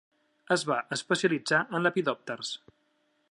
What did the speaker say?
Es va especialitzar en lepidòpters.